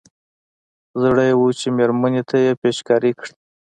زړه يې و چې مېرمنې ته يې پېچکاري کړي.